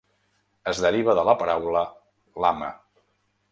Es deriva de la paraula "lame".